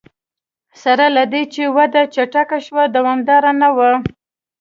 سره له دې چې وده چټکه شوه دوامداره نه وه.